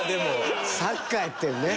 サッカーやってるね。